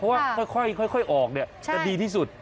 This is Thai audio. เพราะว่าค่อยออกจะดีที่สุด